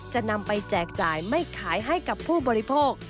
จะนำไปแจกจ่ายไม่ขายให้กับผู้บริโภค